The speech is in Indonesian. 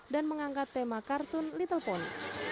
dan mengangkat tema kartun little pony